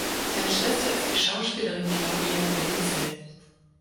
Seine Schwester ist die Schauspielerin Claudia Wenzel.